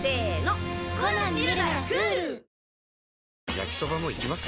焼きソバもいきます？